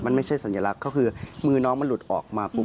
มันไม่ใช่สัญลักษณ์ก็คือมือน้องมันหลุดออกมาปุ๊บ